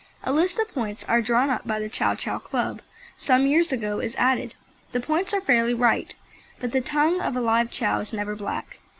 A list of points as drawn up by the Chow Chow Club some years ago is added. The points are fairly right, but the tongue of a live Chow is never black.